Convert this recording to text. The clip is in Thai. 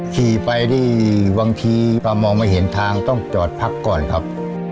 ขี่ไปนี่บางทีป้ามองไม่เห็นทางต้องจอดพักก่อนครับ